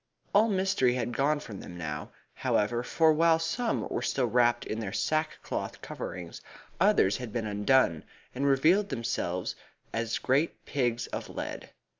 All mystery had gone from them now, however, for while some were still wrapped in their sackcloth coverings, others had been undone, and revealed themselves as great pigs of lead.